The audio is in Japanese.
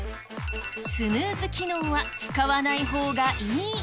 スヌーズ機能は使わないほうがい